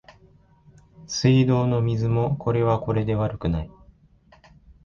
水道の水もこれはこれで悪くない